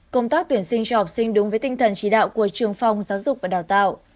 công tác tuyển sinh cho học sinh đúng với tinh thần chỉ đạo của trường phòng giáo dục và đào tạo